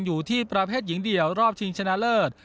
อยู่ที่ประเภทหญิงเดี่ยวรอบชิงชนะเลิศ